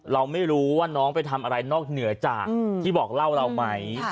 เราไม่รู้ว่าน้องไปทำอะไรนอกเหนือจากที่บอกเล่าเราไหม